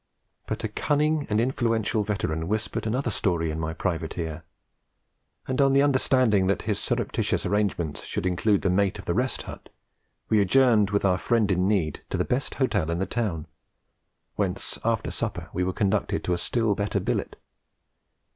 But a cunning and influential veteran whispered another story in my private ear; and on the understanding that his surreptitious arrangements should include the mate of the Rest Hut, we adjourned with our friend in need to the best hotel in the town, whence after supper we were conducted to a still better billet.